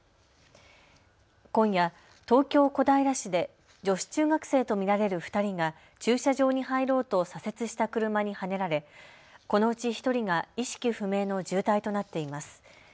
今夜、東京小平市で女子中学生と見られる２人が駐車場に入ろうと左折した車にはねられこのうち１人が意識不明の重体となっています。